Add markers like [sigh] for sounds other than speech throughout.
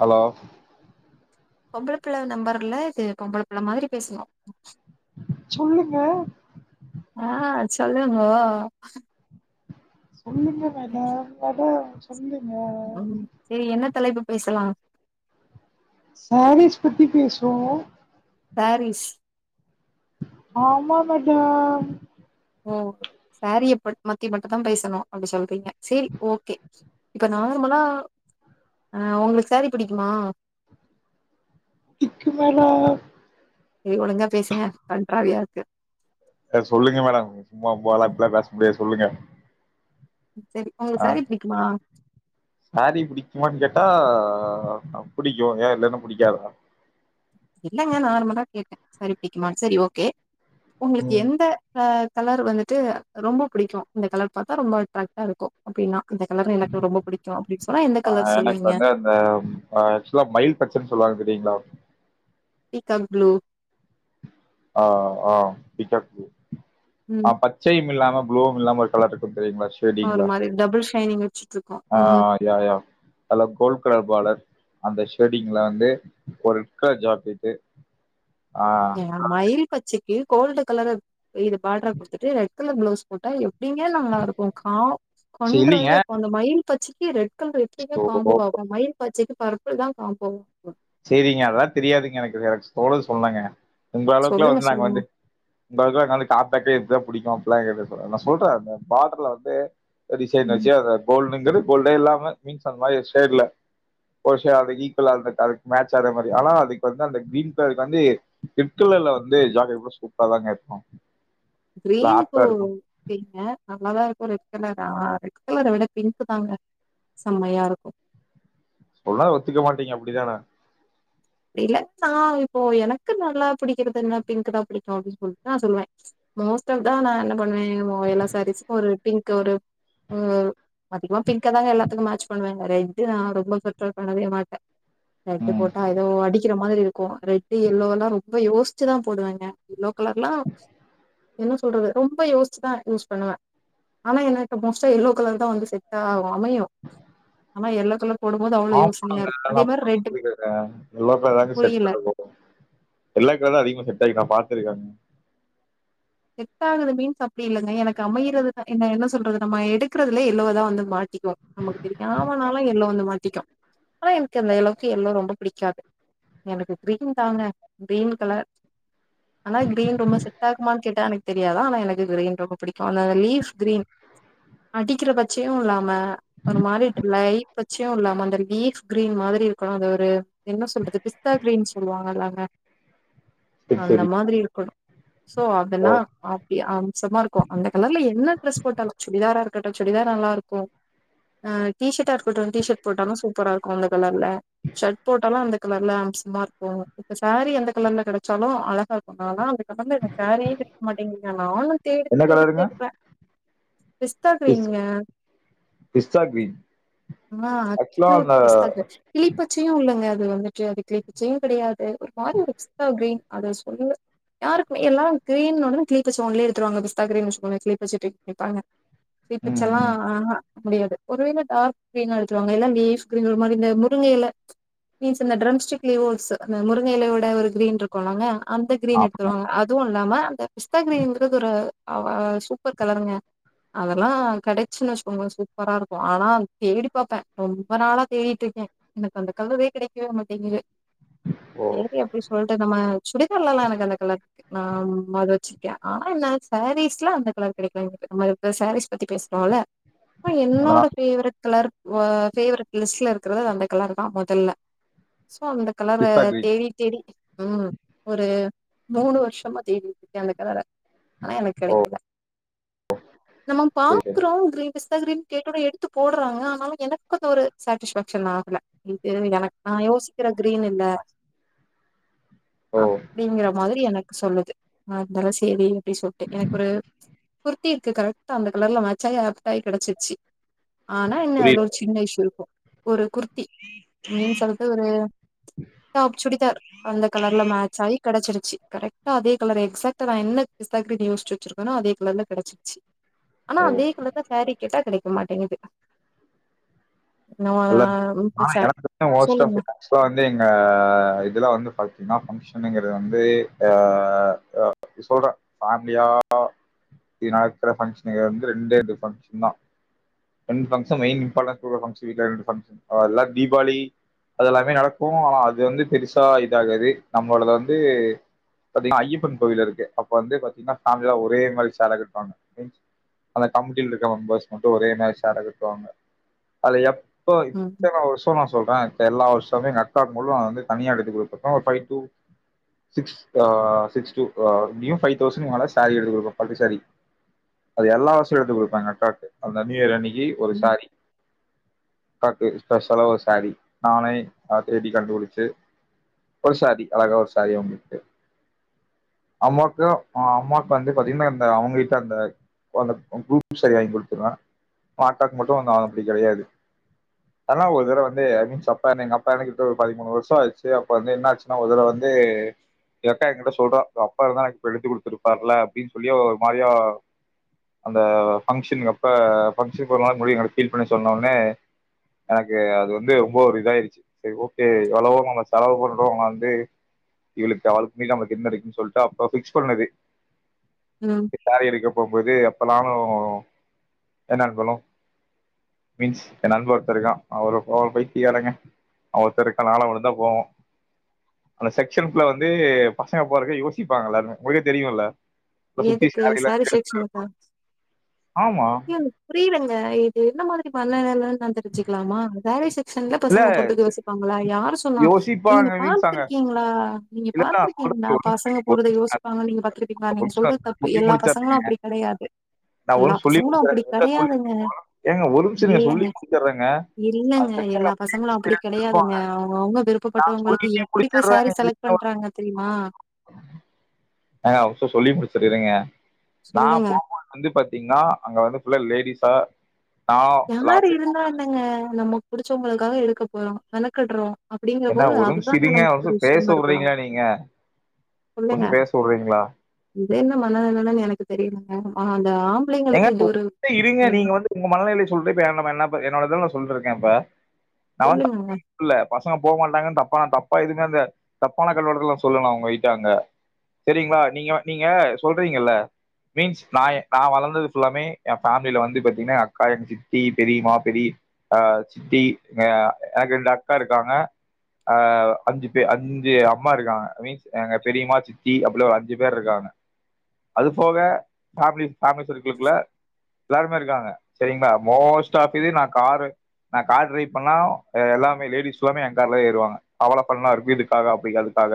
Hello பொம்பள புள்ள நம்பர்ல இது பொம்பள புள்ள மாதிரி பேசலா சொல்லுங்க ஆ சொல்லுங்கோ உளுந்தவட வட சொல்லுங்க ம் சரி என்ன தலைப்பு பேசலா சாரீஸ் பத்தி பேஸ்வோ சரீஸ் ஆமா மடம் சரிய ப மத்தி மட்டு தா பேசணு அப்டி சொல்றீங்க சேரி ஓகே இப்ப நார்மலா அஹ் உங்களுக்கு சரி பிடிக்குமா [unintelligible] மேல ஒழுங்கா பேசுங்க கன்றாவியா இருக்கு அ சொல்லுங்க மேடம் சும்மா போல்லாப்ல பேசு பேசி சொல்லுங்க சரி உங்களுக்கு சாரி பிடிக்குமா சாரி புடிக்குமானு கேட்டா ஆ புடிக்கும் ஏன் இல்லன்னா புடிக்காதா இல்லங்க நார்மலா கேட்டேன் சாரி பிடிக்குமானு சரி ஓகே உங்களுக்கு எந்த ஆஹ் கலர் வந்துட்டு ரொம்ப புடிக்கும் இந்த கலர் பாத்தா ரொம்ப அட்ராக்டா இருக்கும் அப்டின்னா இந்த கலர் எனக்கு ரொம்ப பிடிக்கு அப்டின்னு சொன்னா எந்த ஆஹ் கலர் எனக்கு சொல்லுவீங்க வந்து அந்த ம் ஆக்சுவலா மயில் பச்சன்னு சொல்லுவாங்க தெரியுங்களா பீகாம் ப்ளூ ஆஹ் ஆஹ் பீகாக் பீளூ ம் ஆஹ் பச்சைையுமில்லாம ப்ளுவும் இல்லாம ஒரு கலர் இருக்கு தெரிம்ல ஒரு சேடிங்ல மாரி டபுள் ஷைனிங் வச்சுட்ருக்கோ ம் ஆஹ் யா யா அல கோல்டு கலர் பாடர் அந்த ஷேடிங்ல வந்து ஒருக்க [unintelligible] ஆஹ் ஏ மயில் பச்சைக்கு கோல்டு கலர இது பார்டரா குடுத்துட்டு ரெட் கலர் பிளவுஸ் போட்டா எப்டிங்க நல்லா இருக்கும் கா சரி இல்லைங்க கண்ட்ராவியா இருக்கு அந்த மயில் பச்சிக்கி ரெ ட் கலர் எப்டிங்க காம்போ ஆகும் மயில் பச்சைக்கு பர்ப்பிள்தான் காம்போ ம் செரிங்க அதெலாம் தெரியாதுங்க எனக்கேதாச் தோனுது சொன்னங்க உங்க அளவுக்குலாம் சொல்லுங்க வந்து நாங்க சொல்லுங்க வந்து உங்க அளவுக்குலாம் எங்காள காப்பாத்தி இதா புடிக்கும் [unintelligible] நான் சொல்றேன் பாடர்ல வந்து ஒரு டிசைன் ம் வச்சி அது கோல்ட்ங்கறது கோல்டேல்லாம் ஆ மீன்ஸ் அந்த மாதிரி ஒரு சேட்ல ஒரு ஷா ஈக்குவல் [unintelligible] மேட்ச ஆற மாதிரி ஆனா அதுக்கு வந்து மேச் ஆறமாறி ஆனா அதுக்கு வந்து அந்த கிரீன் கலருக்கு வந்து ரெட்கலர்ல வந்து ஜாக்கெட் ப்ளவுஸ் சூப்பரா தாங்க இருக்கும் கிரீனுக்கு [unintelligible] நல்லாதான் இருக்கும் ரெட் கலரா ரெட் கலர விட பிங்க்கூ தாங்க செம்மையா இருக்கும் சொன்னா ஒத்துக்க மாட்டீங்க அப்டிதானே அப்டில்ல நா இப்போ எனக்கு நல்லா பிடிக்கறது என்ன பிங்க் தா பிடிக்கும் அப்டின்னு சொல்ட்டு நா சொல்லுவே மோஸ்ட்டா தா நா என்ன ப ம் ஓ எல்லா சாரீஸுக்கும் ஒரு பிங்க் ஒரு [unintelligible] மாத்திக்கலா பீக்கதாங்க எல்லாத்துக்கும் மேட்ச் பண்ணுவே ரெட்ட ரொம்ப ரஃபர் பண்ணவே மாட்டே ரெட்டு ம் போட்டா அது ஏதோ அடிக்கிற மாதிரி இருக்கும் ரெட் எல்லோலா ரொம்ப யோசிச்சி தா போடுவேங்க எல்லோ கலர்லாம் என்ன சொல்றது ரொம்ப யோசிச்சுதா யூஸ் பண்ணுவே ஆனா எனக்கு மோஸ்டா எல்லோ கலர் தா வந்து செட்டே ஆவு அமையு ஆனா எல்லோ கலர் போடும் போது அவ்வளோ யோசனையா ஆமாங்க. இருக்க அதே நான் மாரி ரெட் பார்த்துருக்கேங்க. எல்லா [unintelligible] புரியல செட் இருக்கோ [unintelligible] பாத்துருக்காங்க செட் ஆகுது மீன்ஸ் அப்டி இல்லங்க எனக்கு அமையறது என் என்ன சொல்றது நம்ம எடுக்கறதுல எல்லோ தா வந்து மாட்டிக்கோ நமக்கு தெரியும் ஆனாலு எல்லோ வந்து மாட்டிக்கோ ஆனா எனக்கு அந்த அளவுக்கு எல்லோ ரொம்ப பிடிக்காது எனக்கு கிரீன் தாங்க கிரீன் கலர் ஆனா கிரீன் ரொம்ப செட்டகுமா ரொம்ப பிடிக்கோ அதனால லீப் கிரீன் அடிக்கிற பட்சயு இல்லாம ஒரு மாரி லைட் பச்சயு இல்லாம அந்த லீஃப் கிரீன் மாதிரி இருக்கணு அத ஒரு என்ன சொல்றது பிஸ்தா கீரின் சொல்லுவாங்கல்லங்க சரி, அந்த சரி. மாதிரி இருக்கணு சோ ஓ! நா அப்டி அம்சமா இருக்கோ அந்த கலர்ல என்ன டிரஸ் போட்டாலு சுடிதார இருக்கட்டு சுடிதார் நல்லா இருக்கூ ஆ டி-ஷர்ட்டா இருக்கட்டு டீ ஷர்ட் போட்டாலு சூப்பரா இருக்கோ அந்த கலர்ல ஷர்ட் போட்டாலு அந்த கலர்ல அம்சமா இருக்கோ இப்ப சாரீ அந்த கலர்ல கெடச்சாலு அழகா இருக்கோ ஆனா அந்த கலர்ல எனக்கு சேரீயே கெடைக் மாட்டிங்குது நா ஆன்லை தேடு என்ன தேடு கலருங்க? தேடுவ பிஸ்தா பிஸ் கிரீனுங்க பிஸ்தா கிரீன். ஆ ஆக்சுவலா அக்யூர் அந்த பிஸ்தா கிரீன் கிளிப்பச்சயு இல்லங்க அது வந்துட்டு அது கிளி பச்சயு கெடையாது அது ஒரு மாரி ஒரு பிஸ்தா கிரீன் அத சொல்லுவே யாருக்கு மே எல்லாம் கிரீன் இன்ன ஒடனே கிளி பச்ச ஒன்லி எடுத்துடுவாங்க பிஸ்தா கிரீன் [unintelligible] நீங்க பாருங்க ம், சிப்புசெல்லா ம். ஆ ஆஹ முடியாது ஒருவேல டார்க் கிரீனா எடுத்துக்கோங்க எல்லா லீஃப் கிரீன் ஒரு மாரி இந்த முருங்க எல மீன்ஸ் இந்த ட்ரம் ஸ்டிக் லீவ்ஸ் அந்த முருங்கையிலையேட ஒரு கிரீன் இருக்கோம்லங்க அந்த ஆ, கிரீன் எடுத்துடுவாங்க அதுவு இல்லாம அந்த பிஸ்த கிரீன்னுங்கறது ஒரு சூப்பர் கலருங்க அதெல்லா கடைச்சுன்னு வெச்சிகோங்க சூப்பரா இருக்கோ ஆனா தேடி பாப்பே ரொம்ப நாளா தேடிட்டு இருக்கே எனக்கு அந்த கலரே கிடைக்கவே மாட்டேங்கு ஓ! சேரி அப்ப்டடி சொல்லட்டு நம்ம சுடிதால்லா நல்லா இருக்காது அந்த கலருக்கு நா அத வெச்சிருக்கே ஆ என்ன சாரீஸ் எல்லா அந்த கலர் கெடைக்காது எனக் நம்ம இப்ப சாரீஸ் பத்தி பேசுறோம்ல அதனால என்னோட பேவரெட் கலர் வா ஃபேவரட் லிஸ்ட்ல இருக்கறது அந்த கலரு தா மோதல்ல சோ அந்த கலர பிஸ்தா கிரீன். தேடி தேடி உஹம் ஒரு மூணு வருஷ் [unintelligible] அந்தக் கலர்ல ஆனா எனக்கு கிடைக்கல நம்ம சரி, சரி. பாக்குறோ கீரீன் பிஸ்தா கிரீன் கேட்டொனே எடுத்து போட்றாங்க ஆனாலு எனக்கு அந்தொரு சேட்டிஸ்பேக்ஷன் ஆகல இது எனக் நா யோசிக்கிற க்ரீன் இல்ல ஓ! அப்டிங்கற மாரி எனக் கு சொல்லுது நா இருந்தாலு சேரின்ட்டு சொல்ட்டே எனக்கு ஒரு குர்த்தி இருக்கு கரெக்ட்டா அந்த கலர்ல மேச்சாயி ஆப்டாய் கெடச்சிருச்சி ஆனா என்ன அதுல புரியுது. ஒரு சின்ன இஷு இருக்கு ஒரு குர் த்தி மீன்ஸ் [unintelligible] ஒரு டாப் சுடிதார் அந்த கலர்ல மேச்சாயி கெடச்சிருச்சி கரெக் டா அதே கலரே எக்ஸாக்டா நா என்ன [unintelligible] யோசிச்சு வச்சிருக்கனோ அதே கலர்ல கெடச்சிர்ச்சி ஆனா ஓ! அதே கலர்ல சாரீ கேட்டா கெடெக் க்க மாட்டேங்கிது இல்ல ஆ எனக் [unintelligible] மோஸ்ட் ஆஃப் சொல்லுங்க தி டைம்ஸ்ல வந்து எங்க இதுல வந்து ஃப என்னா ஃபங்ஷனுங்கறது வந்து அ அ சொல்ற ஃபேம்லியா இ நா இருக்ற ஃபங்க்ஷன் வந்து ரெண்டே ரெண்டு ஃபங்க்ஷன்தா ரெண் ஃபங்க்ஷன் மெயின் இம்பார்ட்டன்ஸ் குடுக் ஃபங்க்ஷ தீகள் ஃபங்க்ஷன் அதெல்லா தீபாளீ அதெல்லாமே நடக்கூ ஆனா அது வந்து பெருசா இதாகாது நம்மளுது வந்து பத்தீனா ஐயப்பன் கோவிலு இருக்கு அப்ப வந்து பாத்தீங்னா சாமில ஒரே மாத்ரி சேல கட்டுவாங்க ம் ஆனா கம்ட்டில இருக்க மெம்பர்ஸ் மட்டு ஒரே மாரி சேல கட்டுவாங்க அலையாப் இப்பொ ம் இத்தன வர்ஷோ நா சொல்ற அத் எல்லா வர்ஷ் தவுங்க எங்க அக்கா முழு வந்து தனியா எடுத்து குடுத்துருக்கோ ஒரு ஃபை டூ சிக்ஸ் அ சிக்ஸ் டூ அ நியூ ஃபைவ்தவுசன் மேல சேரி எடுத்து குடுக்கூ. பட்டு சேரி அது எல்லா வருஷோ எடுத்துக் குடுப்பாங்க அக்காக்கு அந்த நியூ இயர் அன்னைக் கி ஒரு ம் சாரி அக்காக்கு ஸ்பெஷலா ஒரு சாரீ நானே அ தேடி கண்டுபுடிச்சு ஒரு சாரீ அழகா ஒரு சாரீ அவுங்ளுக்கு அம்மாக்கு அ அம்மாக் வந்து பாத்தீங்ன்னா அந்த அவங்கிட்ட அந்த அந்த குரூப் சாரீ வாங்கி குடுத்துருவ ஆத்தாக்கு மட்டு ஆ ப்படி கெடையாது ஆனா ஒரு தரவ வந்து ஐமீன்ஸ் அப்பா என் எங்கப்பா எனிகிட்ட ஒரு பதிமூணு வர்ஷோ ஆச்சு அப்பந்து என்னாச்சுன்னா ஒரு தடவ வந்து எ அக்கா என்கிட்ட சொல்றா அப்பா இருந்தா எனக்கு எடுத்து குடுத்துருப்பார்ல அப்டின் சொல்லி ஒரு மாரியா அந்த ஃபங்ஷன் அப்ப ஃபங்சன்க்கு ஒரு நாளைக்கு முன்னாடி எங்களுக் ஃபீல் பண்ணி சொன்னவுனே எனக்கு அது வந்து ரொம்ப ஒரு இதாயிருச்சு சேரி ஓகே எவ்ளவோ நம்ம செலவு பண்ணறோ வந்து இவ்ளுக்கு அவ்ளுக்கு மீறி நம்ளுக்கு என்ன இருக்குன் சொல்ட்டு அப்ப ஃபிக்ஸ் பண்ணது. ம் சாரீ எடுக்க போம்போது அப்பல்லா ப்பறோ என்ன [unintelligible] மீன்ஸ் ஏ நண்ப ஒருத்த இருக்கா அவர போல பைத்திகாரங்க அவ ஒத்த இருக்க நானு அவனுந்தா போவோ அந்த செக்க்ஷன்குல வந்து பசங்க போறக்கு யோசிப்பாங்க எல்லாருமே உங்களுக்கே தெரியு இல்ல எதுக்கு சாரி செக்க்ஷனுக்கா ஆமா எனக் புரீலங் அ எப் என்ன மாதிரி பண்ணான்கன்னு நா தெரிஞ்சுக்லாமா இந்த சேரி செ சன்ல இல்ல பசங்க போட்டுக்க யோசிப்பாங்களா யாரு சொன்னா நீங்க யோசிப்பாங்க மீன்ஸ் அங்க பால்த்திருக்கீங்ளா நீங்க இல்ல நான் பாத்திருக்கீங்ளா சொல்றது ஒரு பசங்க போரத யோசிப்பாங்கனு நீங்க பாத் கேட்டீங்ளா நீங்க சொல்றத் தப்பு சொல்லி எல்லா பசங்களு முடிச்சிடுறேங்க அப்டி கெடயாது நான் ஒரு எல்லாப் சொல்லி பசங்களு அப்டி முடிச்சிடுறேன் சொல்லி கெடயாதுங்க ஏங்க ஒரு நிமிஷம் இல்லங்க சொல்லி முடிச்சிடுறேங்க இல்லங்க எல்லா பசங்களு அப்டி கெடயாதுங்க அவுங்கவுங்க விருப் இப்டி நான் சொல்லி பட்டவங்களுக்கு எப்டி போய் சாரீ முடிச்சிடுறேங்க செலக்ட் பண்றாங்க தெரிமா முடிச்சர்ற இருங்க நா போம்போது வந்து பாத்தீங்ன்னா அங்க வந்து ல்ல லேடிஸா நான் யாரு லாஸ்ட் இருந்தா என்னங்க நம்மக் புடிச்சவங்களுக்காக எடுக்க போறோ மெனக்கட்றோ. அப்டிங்கிற என்ன போது ஒரு நிமிஷம் அதுதான இருங்க நமக்கு ஒரு பெரிய நிமிஷம் பேச விஷ்யமா இருக்கனு விடுறீங்களா நீங்க ஒரு சொல்லுங்க நிமிஷம் பேச விடுறீங்களா இதென்ன மனநிலன்னு எனக்கு தெரியலங்க ஆ ஏங்க ஆம்பளைங்களுக்கு இது ஒரு [unintelligible] இருங்க எண்ணோ நீங்க வந்து உங்க மனநிலை சொல்றப்ப என்னப்ப என்னப்ப என்னோட இதுவு நா சொல்றங்க இப்ப நி வந் சொல்லுங்கங்க [unintelligible] இல்ல பசங்க போ மாட்டாங்கன் நம் பா தப்பா இதுமே இந்த தப்பான கண்ணோட்டத்ல நா சொல்ல நா உங்கயிட்ட அங்க செரிங்ளா நீங்க நீங்க சொல்றீங்கல்ல மீம்ஸ் நா எ நா வள ந்தது ஃபுல்லாமே ஏ ஃபேமிலில வந்து பாத்தீங்னா எ அக்கா எங்க சித்தி பெரீம்மா பெரீப் ஆ சித்தி ஆ எனக்கு ரெண்டு அக்கா இருக்காங்க ஆ அஞ்சு பே அஞ்சு அம்மா இருக்காங்க மீன்ஸ் எங்க பெரியம்மா சித்தி அப்டி ஒரு அஞ்சு பேருக்காங்க அதுபோக [unintelligible] ளுக்குள்ள எல்லாருமே இருக்காங்க சேரிங்ளா மோஸ்ட் ஆஃ தி நா காரு நா கார் ட்ரைவ் பண்ணா ஆ எல்லாமே லேடிஸ்லாமே ஏ கார்ல ஏறுவாங்க அவளோ ஃபன்னாருக்கு [unintelligible] அப்டிங்கறதுக்காக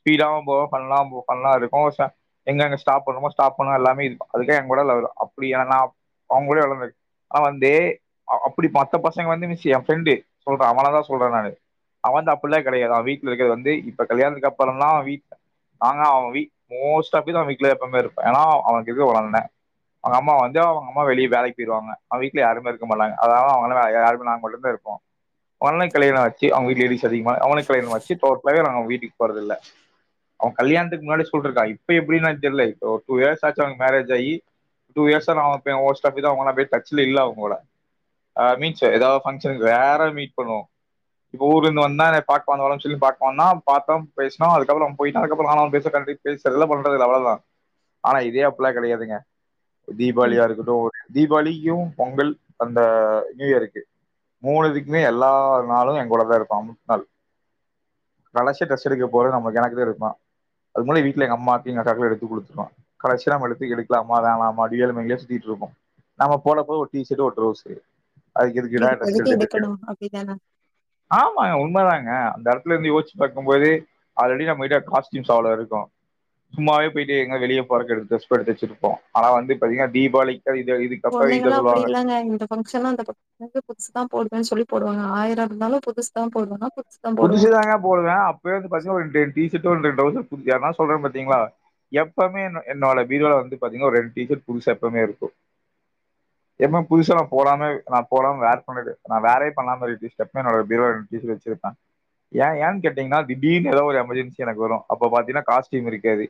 ஸ்பீடாவு போவாம ஃபன்னா போ ஃபன்னா இருக்கு ச எங்க எங்க ஸ்டாப் பண்ணணுமோ ஸ்டாப் பண்ணா எல்லாமே அதுக்குன்னு எங்கூட அப்டியாணா அவங்கூட [unintelligible] அவந்தே அ அப்டி பத்த பசங்க வந்து மிஸ்ஸெ ஏ ஃப்ரெண்டு சொல்ற அவன தா சொல்ற நானு அவந்து அப்புல்லா கடையாது அவ வீட்ல இருக்குறது வந்து இப்ப கல்யாணத்துக்கப்பறந்தா வீட் நாங்க அவ வீட் மோஸ்ட் ஆஃப் கேஸ் அவ வீட்லயே எப்பமே இருப்பா ஏன்னா அவனுக்கு இருக்குறது ஒரு அண்ணந்தா அவங்க அம்மா வந்து அவங்க அம்மா வெளிய வேலைக் பொய்ருவாங்க அவ வீட்ல யாருமே இருக்க மாட்டாங்க அதாவ அவங்கலா வ ய யாருமே நாங்க மட்டுந்தா இருப்போ வண்ண கிளையெல்லா வெச்சி அவுங்க வீட்ல எ வயசு அதிகமா அவனுக் கல்யாணமாச்சி இப்ப ஒரு பையனிருக்கா அவுங்க வீட் டிக் போறதில்ல அவங் கல்யாணத்துக்கு முன்னாடி சொல்றுக்கா இப்ப எப்டின்லா தெர்ல இப்போ டூ இயர்ஸ் ஆச்சி அவனுக் மேரேஜ் ஆயி டூ இயர்ஸா நா அவ பே [unintelligible] அப்டியே டச்ல இல்ல அவுங்களா ஆ மீன்ஸு ஏதாவ் ஃபங்க்ஷனுக்கு ரேரா மீட் பண்ணுவோ இப்போ ஊர்லேந்து வந்தா என்னைய பாக் வாங்க வரன் சொல்லி பாக்க வந்தா பாத்தா பேஸ்னா அதுக்கப்பறொ அவ போய்ட்டா அதுக்கப்பறோ நானு அவனு [unintelligible] பேசறதில்ல பண்றதில்ல அவ்வளதா ஆனா இதே அப்புல்லா கடையாதுங்க ம் தீபாவாளியா இருக்கட்டு ஒரு தீபாவாளிக்கு பொங்கல் அந்த நியூ இயருக்கு மூணுதுக்மே எல்லா நாளு எங்கோட தா இருப்பா மு நாள் கடசி ட்ரெஸ் எடுக்க போற நம்ம கணக்குல எடுப்பா அதுக் மொதல்ல வீட்ல எங்க அம்மாக்கு எங்கக்காக்குலா எடுத்து குடுத்துருவா கடசீல அவனுக்கு எடுக்லாமா வேணாம் [unintelligible] சுத்தியிட்ருப்பா நம்ம போனப்போ ஒரு டீ சர்ட்டு ஒரு ட்ரௌசரு அதுக்கு எதுக்குடா இதுக்கு ட்ரெஸ் எதுக்கு எடுத்துட்ருக்க எடுக்கணு அப்படிதான ஆமாங்க உண்ம தாங் அ அந்த எடத்லேந்து யோசிச்சு பாக்கம்போது ஆல்ரெடி நம்மயிட்ட காஸ்ட்யூம்ஸ் அவ்ளோ இருக்கு சும்மாவே போய்ட்டு எங்க வெளிய போறக்கு எனக்கு ட்ரஸ் எடுத்து வச்சிட்ருப்பா ஆனா வந்து பாத்தீங்கன்னா தீபாவளிக் பொண்ணுங்கா அப்டி இல்லங்க இந்த ஃபங்க்ஷனா அந்த ப [inaudible] புதுசுதா போடுவேன் சொல்லி போடுவாங்க ஆயிரொ இருந்தாலு புதுசுதா போடுவனா புதுசுதாங்க போடுவ அப்பயே வந்து பாத்தீங்க ஒரு டே டி ஷட்டு ஒண்ட டௌசர் தூக் ஏன்னா சொல்ற பாத்தீங்ளா எப்பவ்மே ந என்னோட பீரோல வந்து பாத்தீங்க ஒரு ரெண் டீஷட் புதுசா எப்பவ்மே இருக்கு என்மோ புதுசா நா போடாம நா போடாம வேர் பண்றது நா வேரே பண்ணாம இருக்க டீஷட்னா என்னோட பீரோல ரெண் டீஷட் வச்சிர்ப்ப ஏ ஏன்னு கேட்டீங்கன்னா திடீனு எதோ ஒரு எமர்ஜென்சி எனக்கு வரு அப்ப பாத்தீங்கன்னா காஸ்ட்யூம் இருக்காது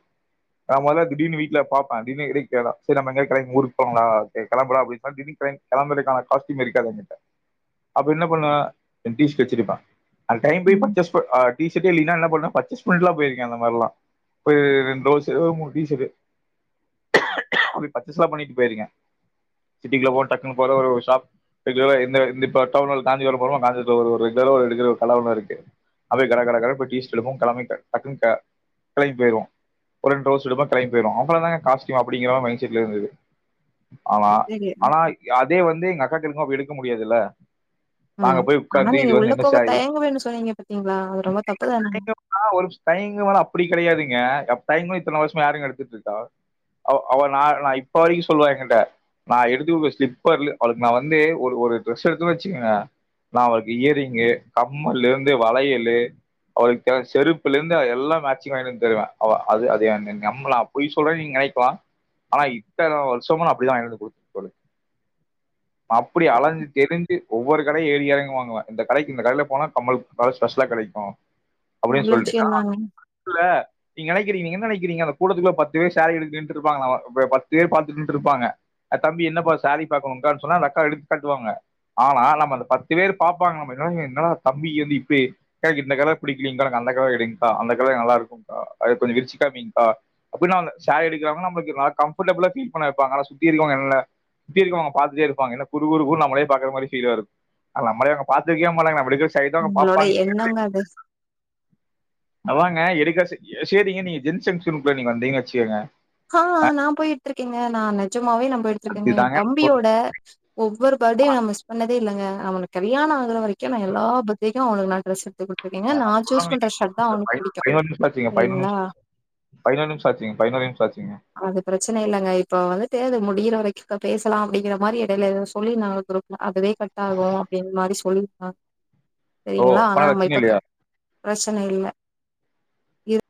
நா முதல்ல திடீர்னு வீட்ல பாப்ப திடீனு டே கேலா சரி நம்ம எங்காவது கிளம்பி ஊருக்கு போலாங்ளா டே கிளம்புடா அப்படின் சொன்னா திடீனு கிளம்பறக்கான காஸ்ட்யூம் இருக்காது என்கிட்ட அப்ப என்ன பண்ணுவ ரென் டீ சர்ட் வெச்சிருப்ப அந்த டைம் போய் ம் பர்ச்சேஸ் பண் அ டீ சர்டே இல்லினா என்ன பண் பர்ச்சேஸ் பண்ணிட்டு எல்லா போயிருக்க அந்த மாரிலா போய் ரெண்டு டவுசரோ மூணு டீ சர்ட் அப்படி பர்ச்சேஸ்லாம் பண்ணிட்டு போயிருக்கே சிட்டிக்குல போ டக்குன்னு போற ஒரு ஷாப் ரெகுலரா என்ன என் இந்த இப்ப டவுன்ஹால் காந்த்சிபுரம் போறோ காந்திபுரத்துல ஒரு ஒரு ரெகுலரா ஒரு எடுக் ஒரு கட ஒன்னு இருக்கு அப்படியே கட கட கட போய் டீ சர்ட் எடுப்போ எல்லாமே கட் டக்குனு க கிளம்பி போயிருவோ ஒரு ரெண் டவுசர் எடுப்போ கிளம்பி போயிருவோ அவ்வளவுதாங்க காஸ்ட்யூம் அப்படிங்கற மைண்ட் செட்ல இருந்தது ஆனா சரி ஆனா அதே வந்து எங்க அக் காக்கு எடுக்கும்போ அப்படியெடுக்க முடியாதுல்ல உம் ஆனா நீங்க உள்ள போக தயங்க [unintelligible] தயங்க வேனா அப்படி கிடையாதுங்க எப் டைம் இத்தன வருஷமா யாருங்க எடுத்துட்டு இருக்கா அவ அவள் நா நா இப்ப வரைக்கு சொல்லுவா என்கிட்ட நா எடுத்துட்டு போய் ஸ்லிப்பர்ல அவளுக்கு நா வந்து ஒரு ஒரு ட்ரெஸ் எடுத்தனு வெச்சுக்கங்க நா அவளுக்கு இயர்ரிங்கு கம்மல்லிருந்து வளையலு அவளுக்கெல்லா செருப்புல இருந்து எல்லா மேட்சிங் வாங்கிட்டு வந்து தருவ அவ அது அது என் நம்பலா அப்படி சொல்ற நீங்க நினைக்கலா ஆனா இத்தன வருஷமா நா அப்படிதா வாங்கிட்டு வந்து குடுத்து அப்படி அலைஞ்சு திரிஞ்சு ஒவ்வொரு கடைய ஏறி இறங்கு வாங்குவ இந்த கடைக்கு இந்த கடையில போனா கம்மல் ப ஸ்பெஷலா கிடைக்கு அப்படின்னு நல்ல சொல்ட்டு விஷயந்தாங்க நா நம்பள நீங் நினைக்கிறீங்க நீங் என்ன நினைக்கிறீங்க அந்த கூட்டத்துக்குள்ள பத்து பேர் சாரி எடுத்துட்டு நின்னுட்டு இருப்பாருங்க வ ப பத்து பேர் பாத்துட்டு நின்னுட்டுருப்பாங்க அ தம்பி என்னப்பா சாரி பாக்கணுங்க்கானு சொன்னா அந்த அக்கா எடுத்து காட்டுவாங்க ஆனா நம்ம அந்த பத்து பேர் பாப்பாங்க நம்மல என்னடா என்ன டா தம்பி இது வந்து இப்ப கா இந்த கலர் பிடிக்கலங்க்கா எனக்கு அந்த கலர் எடுங்க்கா அந்த கலரே நல்லா இருக்குங்க்கா அத கொஞ்சோ விரிச்சுகாமிங்க்கா அப்படினா அந்த சாரி எடுக்கிறவங்க நம்மளுக்கு ந கம்ஃபர்டபிளா பீல் பண்ண வைப்பாங்க ஆனா சுத்தி இருக்கவங்க எல்லா சுத்தி இருக்கவங்க பாத்துட்டே இருப்பாங்க என்ன குறு குறு குறுனு நம்மலயே பாக்கிற மாரி பீல் வருது ஆனா நம்மலே அங்க பாக்க தெரியாமல்ல நம்ம எடுக்கிற சாரி தா அவங்க உங்களோட பாப்பாங்க எண்ணங்க அது அ வாங்க எடுக்க ச சேரிங்க நீங்க ஜென் செஙக்ஷனுக்குள்ள நீங்க வந்தீங்கனு வெச்சுக்கோங்க ஆஹ்ன் நா போய் எடுத்திருக்கங்கங்க நானு நிஜமாவே நா போய் எடுத்திருக்கங்கங்க என் அதுதாங்க சொல்றேன். தம்பியோட ஒவ்வொரு ஃபர்த்டேயு நா மிஸ் பண்ணதே இல்லங்க. அவனுக்கு கல்யாணோ ஆகற வரைக். கு நா எல்லா பர்த்டே கு அவனுக்கு நா ட்ரஸ் எடுத்து குடு சரிங்களா [inaudible] அது பிரச்சன இல்லங்க இப்ப வந்திட்டு அது முடியிற வரைக்கு க பேசலாம் அப்டிங்கிற மாரி எடையில எதோ சொல்லிருந்தாங்க ஒரு குரூப்ல அதுவே. கட்டாகு அப்டின் மாரி சொல்லி. ஆஹ். ஓஹ் அப்பனா வெச்சிங்க இல்லயா. பிரச்சன இல்ல இரு.